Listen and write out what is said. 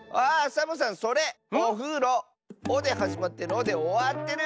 「お」ではじまって「ろ」でおわってる！